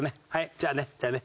じゃあねじゃあね！